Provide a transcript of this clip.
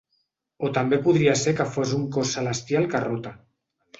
O també podria ser que fos un cos celestial que rota.